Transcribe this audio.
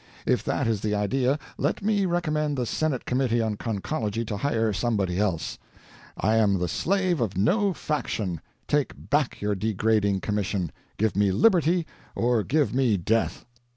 If that is the idea, let me recommend the Senate Committee on Conchology to hire somebody else. I am the slave of no faction! Take back your degrading commission. Give me liberty, or give me death!"